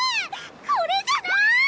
これじゃない！